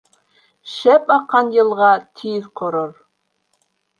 Шәп аҡҡан йылға тиҙ ҡорор.